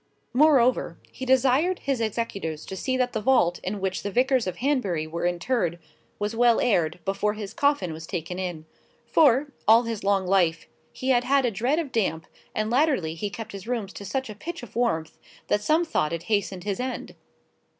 Moreover, he desired his executors to see that the vault, in which the vicars of Hanbury were interred, was well aired, before his coffin was taken in; for, all his life long, he had had a dread of damp, and latterly he kept his rooms to such a pitch of warmth that some thought it hastened his end.